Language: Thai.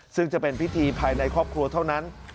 ซึ่งจะเป็นพิธีภายในครอบครัวเท่านั้น